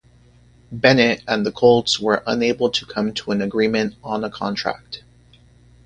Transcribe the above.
Bennett and the Colts were unable to come to an agreement on a contract.